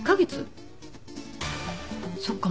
そっか。